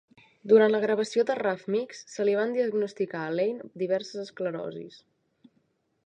Durant la gravació de "Rough Mix", se li van diagnosticar a Lane diverses esclerosis.